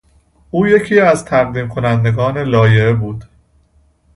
او یکی از تقدیم کنندگان لایحه بود.